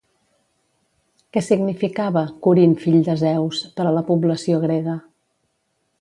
Què significava “Corint, fill de Zeus” per a la població grega?